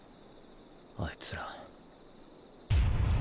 あいつら。